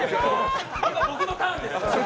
僕のターンです。